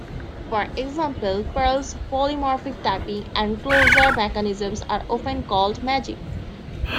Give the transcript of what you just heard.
For example, Perl's polymorphic typing and closure mechanisms are often called "magic".